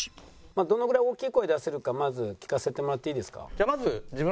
「どのぐらい大きい声出せるかまず聞かせてもらっていいですか？」。